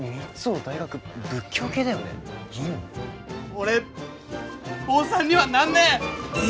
俺坊さんにはなんねえ！